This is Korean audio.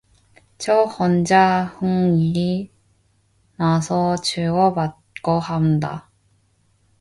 저 혼자 흥이 나서 주고받고 한다.